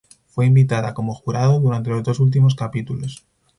Fue invitada como jurado durante los dos últimos capítulos.